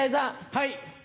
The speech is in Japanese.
はい。